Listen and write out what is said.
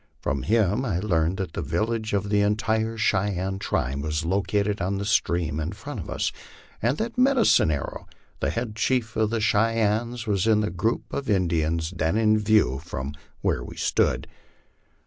From him I learned that the village of the entire Cheyenne tribe was located on the streams in front of us, and that Medicine Arrow, the head chief of the Cheyennes, was in the group of In dians then in view from where we stood.